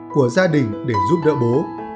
của gia đình để giúp đỡ bố